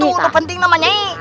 itu penting sama nyai